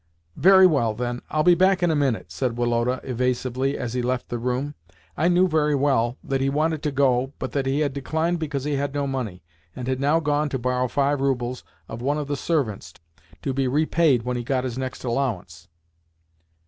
"Very well, then; I'll be back in a minute," said Woloda evasively as he left the room. I knew very well that he wanted to go, but that he had declined because he had no money, and had now gone to borrow five roubles of one of the servants—to be repaid when he got his next allowance.